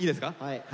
はい。